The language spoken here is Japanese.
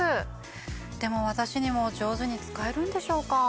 でも私にも上手に使えるんでしょうか？